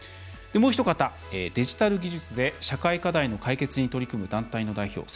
もうひと方、デジタル技術で社会課題の解決に取り組む団体の代表